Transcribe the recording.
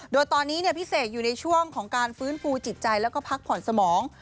โดยตอนนี้พี่เสกอยู่ในช่วงของการฟื้นฟูจิตใจแล้วก็พักผ่อนสมอง